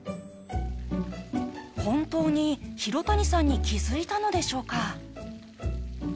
本当に廣谷さんに気づいたのでしょうか？